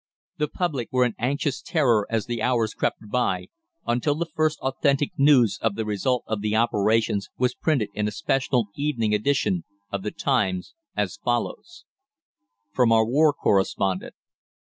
The public were in anxious terror as the hours crept by, until the first authentic news of the result of the operations was printed in a special evening edition of the "Times," as follows: "(From our War Correspondent.)